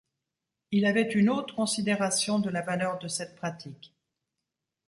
Il avait une haute considération de la valeur de cette pratique.